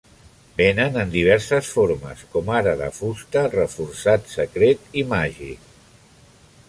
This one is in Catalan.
Venen en diverses formes, com ara de fusta, reforçat, secret i màgic.